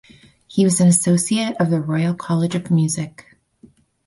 He was an Associate of the Royal College of Music.